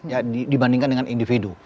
ya dibandingkan dengan individu